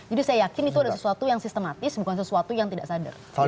jadi saya yakin itu ada sesuatu yang sistematis bukan sesuatu yang tidak sadar